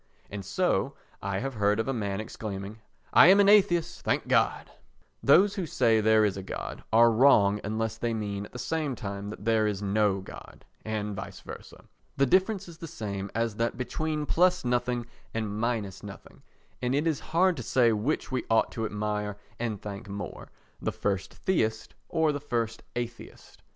And so, I have heard of a man exclaiming "I am an atheist, thank God!" Those who say there is a God are wrong unless they mean at the same time that there is no God, and vice versa. The difference is the same as that between plus nothing and minus nothing, and it is hard to say which we ought to admire and thank most—the first theist or the first atheist.